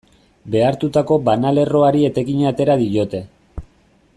Behartutako banalerroari etekina atera diote.